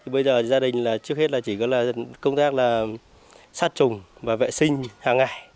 bây giờ gia đình trước hết chỉ có công tác là sát trùng và vệ sinh hàng ngày